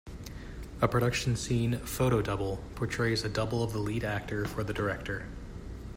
A production scene "photodouble" portrays a double of the lead actor for the director.